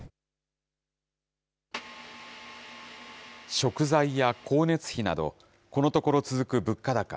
食材や光熱費など、このところ続く物価高。